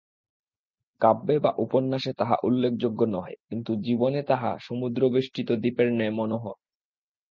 কাব্যে বা উপন্যাসে তাহা উল্লেখযোগ্য নহে কিন্তু জীবনে তাহা সমুদ্রবেষ্টিত দ্বীপের ন্যায় মনোহর।